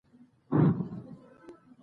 د کورنیو تولیداتو څخه ملاتړ وکړئ.